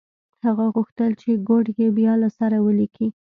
هغه غوښتل چې کوډ یې بیا له سره ولیکي